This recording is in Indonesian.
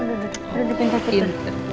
aduh udah pintar pintar